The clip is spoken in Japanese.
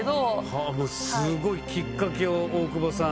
はあすごいきっかけを大久保さん。